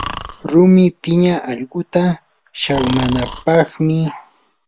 rumi piña allquta saqmanapaqmi.